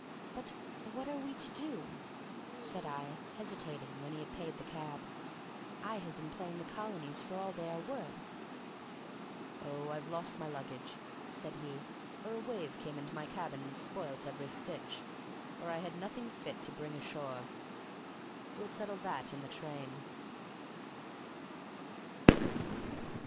"But what are we to do?" said I, hesitating when he had paid the cab. "I have been playing the colonies for all they are worth!" "Oh, I've lost my luggage," said he, "or a wave came into my cabin and spoilt every stitch, or I had nothing fit to bring ashore. We'll settle that in the train."